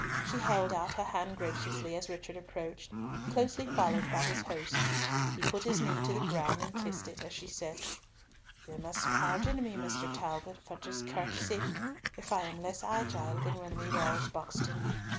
She held out her hand graciously, as Richard approached, closely followed by his host; he put his knee to the ground and kissed it, as she said, "You must pardon me, Mr. Talbot, for discourtesy, if I am less agile than when we were at Buxton.